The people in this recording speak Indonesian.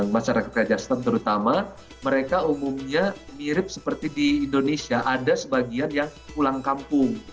masyarakat kajastan terutama mereka umumnya mirip seperti di indonesia ada sebagian yang pulang kampung